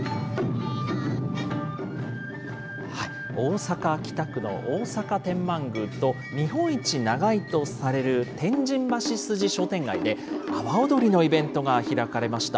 大阪・北区の大阪天満宮と日本一長いとされる天神橋筋商店街で、阿波踊りのイベントが開かれました。